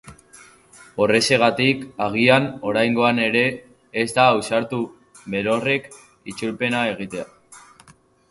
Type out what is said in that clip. Horrexegatik, agian, oraingoan ere, ez da ausartu berorrek itzulpena egitea.